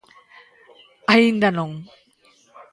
Aínda nón.